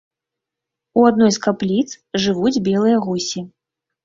У адной з капліц жывуць белыя гусі.